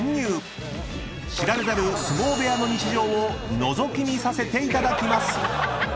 ［知られざる相撲部屋の日常をのぞき見させていただきます］